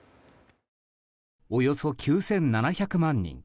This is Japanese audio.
およそ９７００万人。